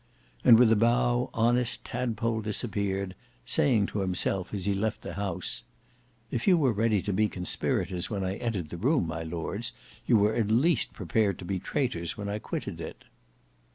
And with a bow honest Tadpole disappeared, saying to himself as he left the house, "If you were ready to be conspirators when I entered the room, my Lords, you were at least prepared to be traitors when I quitted it."